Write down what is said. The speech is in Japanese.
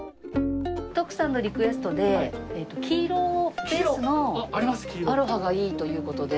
徳さんのリクエストで黄色ベースのアロハがいいという事で。